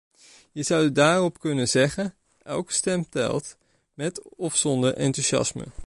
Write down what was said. Je zou daarop kunnen zeggen: elke stem telt, met of zonder enthousiasme.